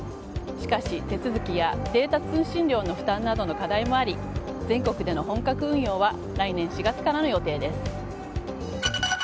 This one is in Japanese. しかし、手続きやデータ通信料の負担などの課題もあり、全国での本格運用は来年４月からの予定です。